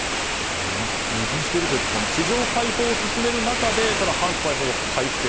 矛盾しているというか市場開放を進める中で反スパイ法の改正。